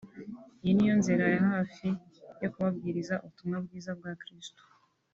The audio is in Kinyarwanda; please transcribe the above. Iyi niyo nzira ya hafi yo kubabwiriza ubutumwa bwiza bwa Kristo